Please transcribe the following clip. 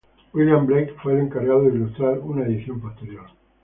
William Blake fue el encargado de ilustrar una edición posterior.